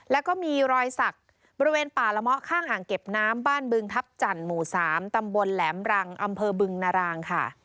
แล้วก็มีรอยสักบริเวณป่าละเมาะข้างอ่างเก็บน้ำบ้านบึงทัพจันทร์หมู่๓ตำบลแหลมรังอำเภอบึงนารางค่ะ